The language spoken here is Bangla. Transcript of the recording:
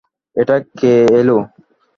এটা কে এলো?